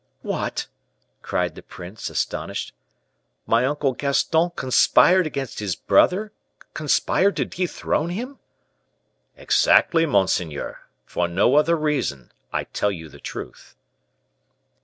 "What!" cried the prince, astonished; "my uncle Gaston 'conspired against his brother'; conspired to dethrone him?" "Exactly, monseigneur; for no other reason. I tell you the truth."